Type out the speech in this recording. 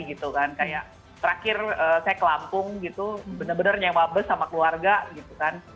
jadi kayak terakhir saya ke lampung gitu bener bener nyewa bus sama keluarga gitu kan